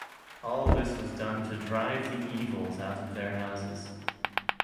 All this was done to drive the evils out of their houses.